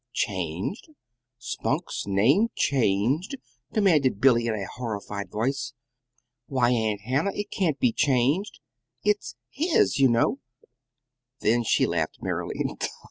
"Changed? Spunk's name changed?" demanded Billy, in a horrified voice. "Why, Aunt Hannah, it can't be changed; it's HIS, you know." Then she laughed merrily.